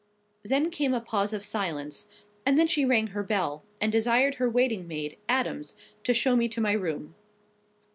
Then came a pause of silence; and then she rang her bell, and desired her waiting maid, Adams, to show me to my room.